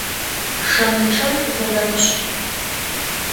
Шэнычъэм зыдэмышӏ.